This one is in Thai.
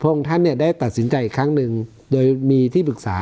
องค์ท่านเนี่ยได้ตัดสินใจอีกครั้งหนึ่งโดยมีที่ปรึกษา